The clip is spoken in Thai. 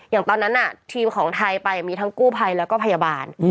อย่างตอนนั้นทีมของไทยไปมีทั้งกู้ภัยแล้วก็พยาบาล